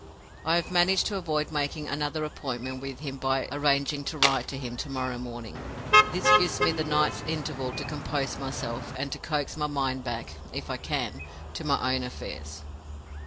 "I have managed to avoid making another appointment with him by arranging to write to him to morrow morning. This gives me the night's interval to compose myself, and to coax my mind back (if I can) to my own affairs.